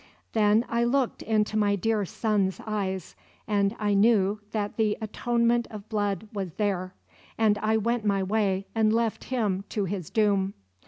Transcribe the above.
Then I looked into my dear son's eyes; and I knew that the Atonement of Blood was there. And I went my way, and left him to his doom.